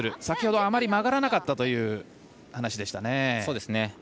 先ほどあまり曲がらなかったという話でしたね。